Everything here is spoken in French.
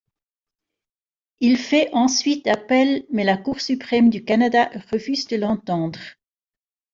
Il fait ensuite appel mais la Cour suprême du Canada refuse de l'entendre.